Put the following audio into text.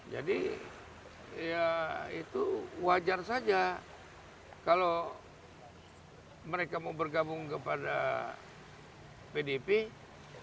jadi ya itu wajar saja kalau mereka mau bergabung kepada pdp karena memang ganjar adalah figur yang